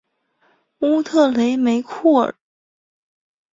乌特雷梅库尔。